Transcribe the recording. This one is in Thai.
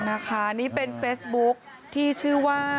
นะคะนี่เป็นเฟซบุ๊คที่ชื่อว่า